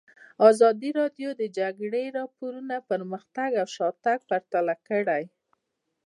ازادي راډیو د د جګړې راپورونه پرمختګ او شاتګ پرتله کړی.